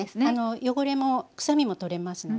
汚れもくさみも取れますので。